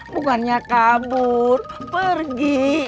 bukannya kabur pergi